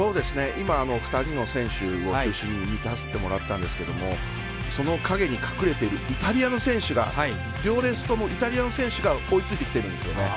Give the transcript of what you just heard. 今、２人の選手を中心に見させてもらったんですけどもその陰に隠れているイタリアの選手が両レースともイタリアの選手が追いついてきているんですよね。